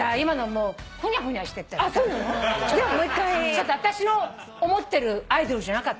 ちょっと私の思ってる『ＩＤＯＬ』じゃなかった。